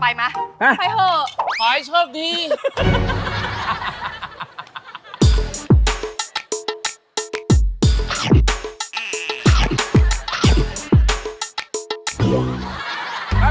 ไปไหมหรือเราจะไปมั้ย